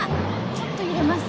ちょっと揺れます。